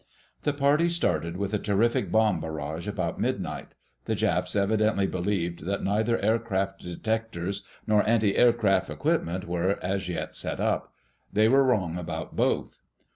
The party started with a terrific bomb barrage about midnight. The Japs evidently believed that neither aircraft detectors nor antiaircraft equipment were as yet set up. They were wrong about both.